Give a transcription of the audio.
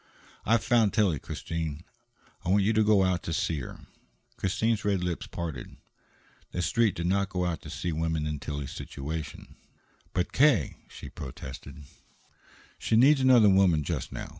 "I've found Tillie, Christine. I want you to go out to see her." Christine's red lips parted. The Street did not go out to see women in Tillie's situation. "But, K.!" she protested. "She needs another woman just now.